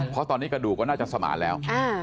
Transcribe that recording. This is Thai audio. เพราะตอนนี้กระดูกก็น่าจะสมานแล้ว